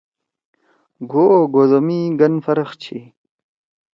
گھو او گھودو می گن فرق چھی۔